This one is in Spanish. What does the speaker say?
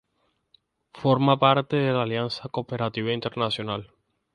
Forma parte de la Alianza Cooperativa Internacional.